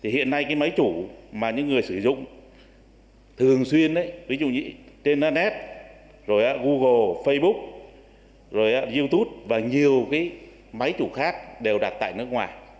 hiện nay máy chủ mà những người sử dụng thường xuyên ví dụ như internet google facebook youtube và nhiều máy chủ khác đều đặt tại nước ngoài